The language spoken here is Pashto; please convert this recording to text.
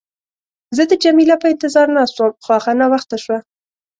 زه د جميله په انتظار ناست وم، خو هغه ناوخته شوه.